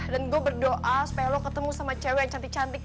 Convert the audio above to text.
dan gue berdoa supaya lo ketemu sama cewe yang cantik cantik